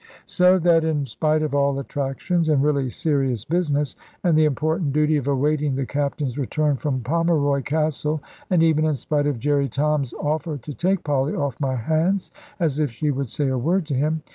So that, in spite of all attractions, and really serious business, and the important duty of awaiting the Captain's return from Pomeroy Castle, and even in spite of Jerry Toms' offer to take Polly off my hands as if she would say a word to him!